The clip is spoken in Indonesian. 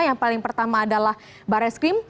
yang paling pertama adalah barreskrim